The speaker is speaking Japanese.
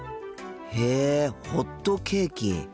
へえホットケーキ。